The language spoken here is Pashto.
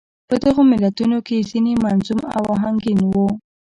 په دغو متلونو کې يې ځينې منظوم او اهنګين وو.